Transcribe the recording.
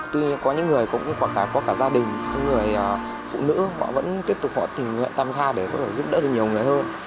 tuy nhiên có những người cũng có cả gia đình những người phụ nữ họ vẫn tiếp tục tình nguyện tâm gia để giúp đỡ được nhiều người hơn